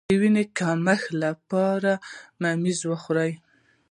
د وینې د کمښت لپاره ممیز وخورئ